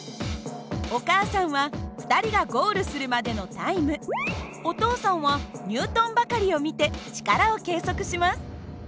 お母さんは２人がゴールするまでのタイムお父さんはニュートン計りを見て力を計測します。